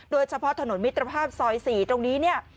โดยเฉพาะถนนมิตรภาพซอย๔ตรงนี้เนี่ย